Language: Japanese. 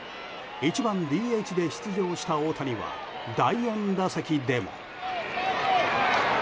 １番ＤＨで出場した大谷は第４打席でも。